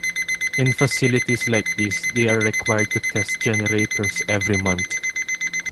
In facilities like these, they are required to test generators every month.